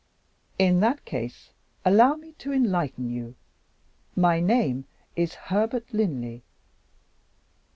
"In that case allow me to enlighten you. My name is Herbert Linley."